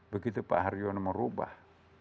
begitu pak hayono merubah